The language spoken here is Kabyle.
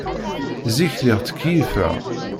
Zik, lliɣ ttkeyyifeɣ.